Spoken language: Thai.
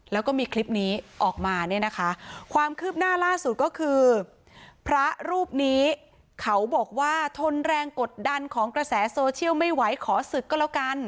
แล้วก็มีคลิปนี้ออกมาเนี่ยนะคะความคืบหน้าล่าสุดก็คือพระรูปนี้เขาบอกว่าทนแรงกดดันของกระแสโซเชียลไม่ไหวขอศึกก็แล้วกัน